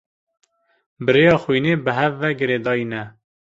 Bi rêya xwînê bi hev ve girêdayî ne.